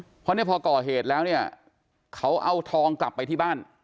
เพราะเนี่ยพอก่อเหตุแล้วเนี่ยเขาเอาทองกลับไปที่บ้าน